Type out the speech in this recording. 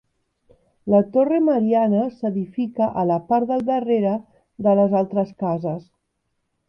La Torre Mariana s'edifica a la part del darrere de les altres cases.